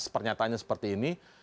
pernyataannya seperti ini